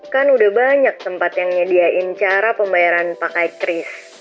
kan udah banyak tempat yang menyediakan cara pembayaran pakai tris